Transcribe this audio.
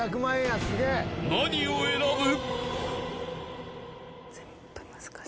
［何を選ぶ？］